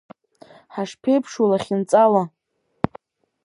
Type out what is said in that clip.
Ҳашԥеиԥшу лахьынҵала.